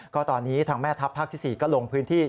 ก็ตอนนี้ทางแม่ทัพภาคที่๔ก็ลงพื้นที่